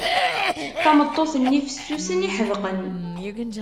Tameṭṭut-nni fessusen, iḥedqen.